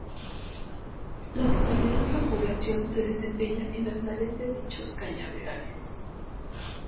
La totalidad de la población se desempeña en las tareas de dichos cañaverales.